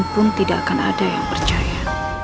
pun tidak akan ada yang percaya